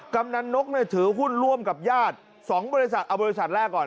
กำนันนกถือหุ้นร่วมกับญาติ๒บริษัทเอาบริษัทแรกก่อน